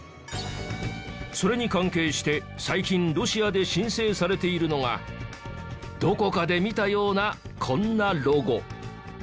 それに関係して最近ロシアで申請されているのがどこかで見たようなこんなロゴ。